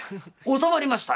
収まりましたね」。